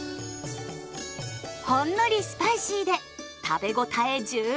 ほんのりスパイシーで食べ応え十分！